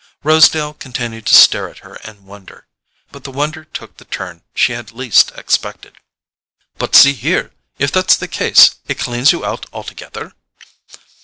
Rosedale continued to stare at her in wonder; but the wonder took the turn she had least expected. "But see here—if that's the case, it cleans you out altogether?"